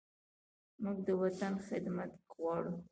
موږ د وطن خدمت غواړو.